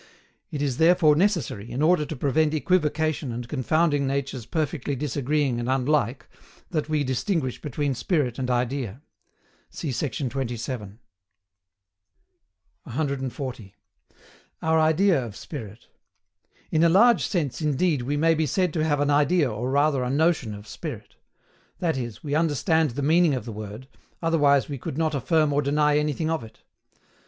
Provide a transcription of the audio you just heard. It is therefore necessary, in order to prevent equivocation and confounding natures perfectly disagreeing and unlike, that we distinguish between spirit and idea. See sect. 27. 140. OUR IDEA OF SPIRIT. In a large sense, indeed, we may be said to have an idea or rather a notion of spirit; that is, we understand the meaning of the word, otherwise we could not affirm or deny anything of it.